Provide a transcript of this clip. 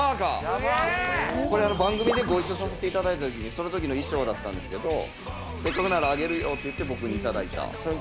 これ、番組でご一緒させていただいたときに、そのときの衣装だったんですけど、せっかくならあげるよと言って、僕が頂いた。